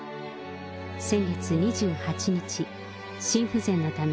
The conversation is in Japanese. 先月２８日、心不全のため、